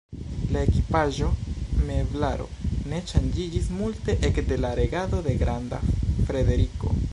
La ekipaĵo, meblaro ne ŝanĝiĝis multe ekde la regado de Granda Frederiko.